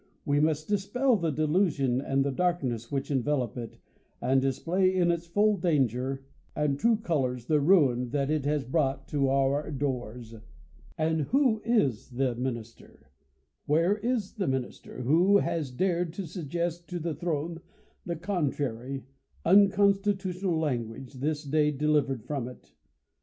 We must dispel the delusion and the darkness which envelop it , and display, in its full danger and true colours, the ruin that it has brought to our doors. Am] who is the minister ; where is the minister, who has dared to suggest to the throne the contrary, un constitutional language, this day delivered from it